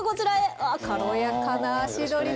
あ軽やかな足取りで。